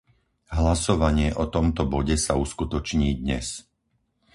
Hlasovanie o tomto bode sa uskutoční dnes.